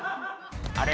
あれ？